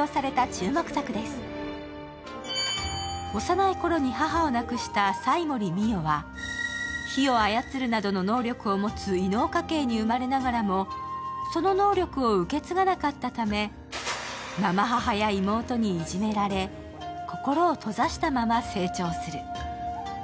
幼い頃に母を亡くした斎森美世は火を操るなどの能力を持つ異能家系に生まれながらもその能力を受け継がなかったため、継母や妹にいじめられ、心を閉ざしたまま成長する。